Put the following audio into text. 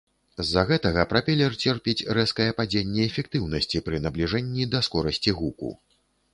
З-за гэтага прапелер церпіць рэзкае падзенне эфектыўнасці пры набліжэнні да скорасці гуку.